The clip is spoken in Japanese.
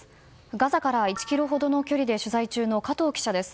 ガザから１ｋｍほどの距離で取材中の加藤記者です。